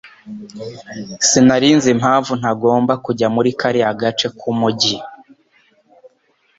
Sinari nzi impamvu ntagomba kujya muri kariya gace k'umujyi.